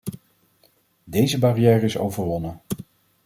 Deze barrière is overwonnen.